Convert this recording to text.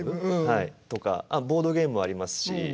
はいとかボードゲームもありますし。